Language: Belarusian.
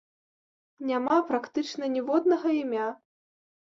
Няма практычна ніводнага імя.